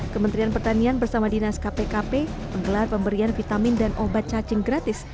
kementerian pertanian bersama dinas kpkp menggelar pemberian vitamin dan obat cacing gratis